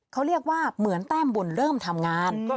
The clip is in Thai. เขาเรียกว่าเหมือนแต้มบุญเริ่มทำงาน